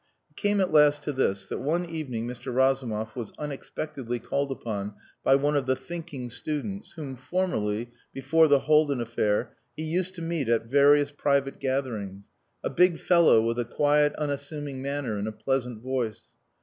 It came at last to this, that one evening Mr. Razumov was unexpectedly called upon by one of the "thinking" students whom formerly, before the Haldin affair, he used to meet at various private gatherings; a big fellow with a quiet, unassuming manner and a pleasant voice.